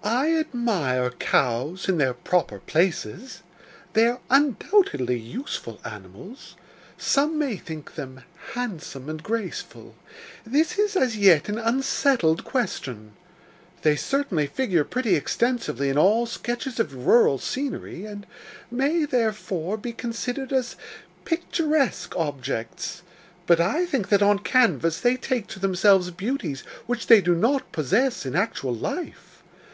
I admire cows in their proper places. They are undoubtedly useful animals; some may think them handsome and graceful: this is, as yet, an unsettled question. They certainly figure pretty extensively in all sketches of rural scenery, and may, therefore, be considered as picturesque objects; but I think that on canvas they take to themselves beauties which they do not possess in actual life.